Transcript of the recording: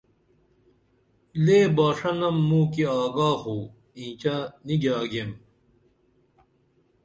لے باݜہ نم موکی آگا خو اینچہ نی گیاگئیم